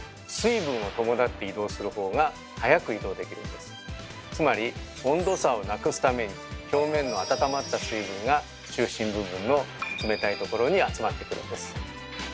そしてつまり温度差をなくすために表面の温まった水分が中心部分の冷たいところに集まってくるんです。